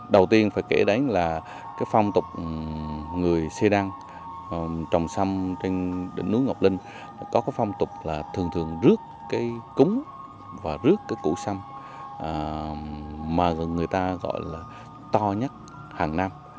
đầu tiên phải kể đến là cái phong tục người xê đăng trồng sâm trên đỉnh núi ngọc linh có cái phong tục là thường thường rước cái cúng và rước cái củ xâm mà người ta gọi là to nhất hàng năm